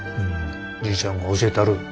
じいちゃんが教えたる。